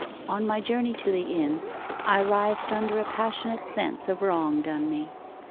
On my journey to the inn I writhed under a passionate sense of wrong done me.